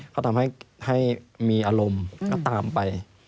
ก็ทำให้มีอารมณ์ก็ตามไป